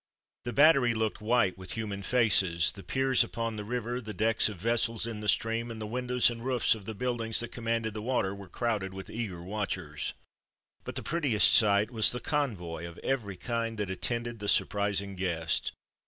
The Battery looked white with human faces. The piers upon the river, the decks of vessels in the stream, and the windows and roofs of the buildings that commanded the water, were crowded with eager watchers. But the prettiest sight was the convoy of every kind that attended the surprising guest.